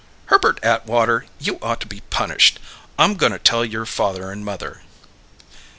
"Herbert Atwater, you ought to be punished! I'm goin' to tell your father and mother."